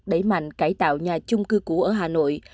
đẩy mạnh cải tạo nhà chung cư cũ ở hà nội